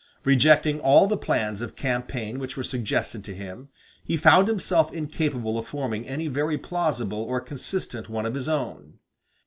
Rejecting all the plans of campaign which were suggested to him, he found himself incapable of forming any very plausible or consistent one of his own.